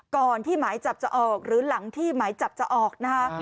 ก่อนที่หมายจับจะออกหรือหลังที่หมายจับจะออกนะคะ